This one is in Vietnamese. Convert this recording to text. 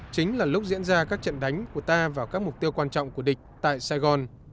chính là lúc diễn ra các trận đánh của ta vào các mục tiêu quan trọng của địch tại sài gòn